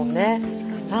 確かに。